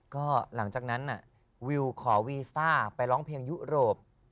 ก็หลังจากนั้นวิวขอวีซ่าไปร้องเพลงยุโรป